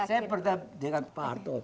saya percaya dengan pak harto